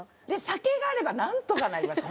酒があればなんとかなります